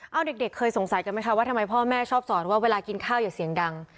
เอาเด็กเคยสงสัยกันไหมคะว่าทำไมพ่อแม่ชอบสอนว่าเวลากินข้าวอย่าเสียงดัง